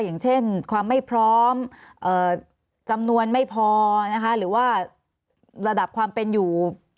อย่างเช่นความไม่พร้อมจำนวนไม่พอนะคะหรือว่าระดับความเป็นอยู่